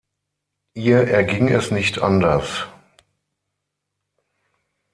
Ihr erging es nicht anders.